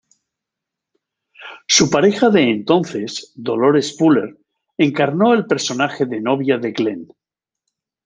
Su pareja de entonces, Dolores Fuller, encarnó el personaje de novia de Glen.